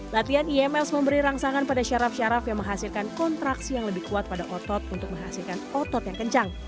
latihan ims memberi rangsangan pada syaraf syaraf yang menghasilkan kontraksi yang lebih kuat pada otot untuk menghasilkan otot yang kencang